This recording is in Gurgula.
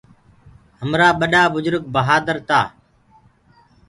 همرآ ڀڏآ بُجرگ بهآدر تآ۔